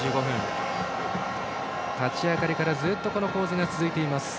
立ち上がりからずっとこの構図が続いています。